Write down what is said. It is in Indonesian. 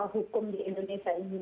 hukum di indonesia ini